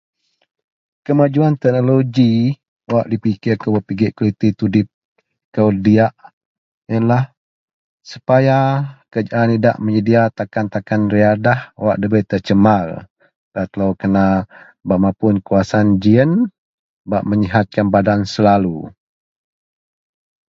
kemajuan teknologi wak dipikir kou bak pigek kualiti tudip kou diyak ienlah supaya Kerajaan idak menyedia takan-takan riadah wak debei tercemar dan telou kena bak mapun kawasan ji ien bak meyihatkan badan selalu